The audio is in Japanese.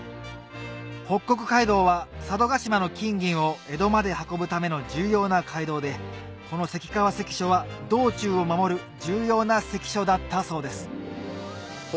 北国街道は佐渡島の金銀を江戸まで運ぶための重要な街道でこの関川関所は道中を守る重要な関所だったそうです